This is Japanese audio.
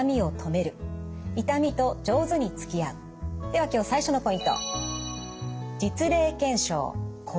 では今日最初のポイント。